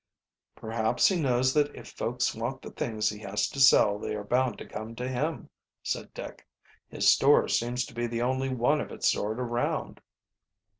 "Perhaps he knows that if folks want the things he has to sell they are bound to come to him," said Dick. "His store seems to be the only one of its sort around."